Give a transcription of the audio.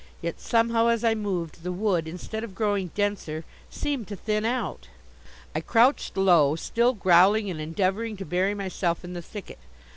Yet somehow, as I moved, the wood, instead of growing denser, seemed to thin out. I crouched low, still growling and endeavouring to bury myself in the thicket.